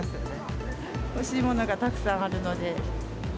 欲しいものがたくさんあるので。